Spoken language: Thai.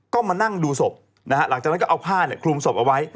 ก็มานั่งดูศพนะฮะหลังจากนั้นก็เอาผ้าคลุมศพเอาไว้